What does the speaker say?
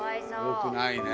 よくないね。